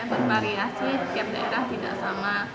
bervariasi tiap daerah tidak sama